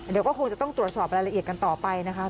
เดี๋ยวก็คงจะต้องตรวจสอบรายละเอียดกันต่อไปนะคะ